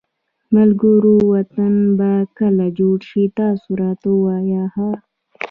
ملګروو وطن به کله جوړ شي تاسو راته ووایی ها